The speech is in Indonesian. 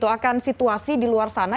akan situasi di luar sana